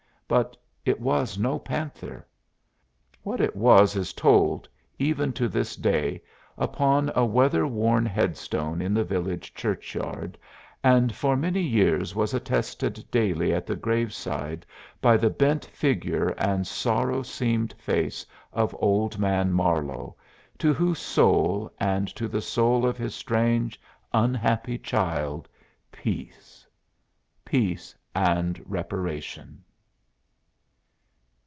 But it was no panther. What it was is told, even to this day, upon a weather worn headstone in the village churchyard, and for many years was attested daily at the graveside by the bent figure and sorrow seamed face of Old Man Marlowe, to whose soul, and to the soul of his strange, unhappy child, peace. Peace and reparation.